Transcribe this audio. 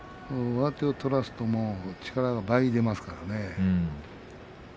上手を取らせると力が倍出ますから。